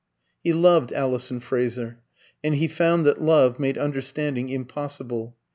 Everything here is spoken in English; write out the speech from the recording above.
He loved Alison Fraser, and he found that love made understanding impossible.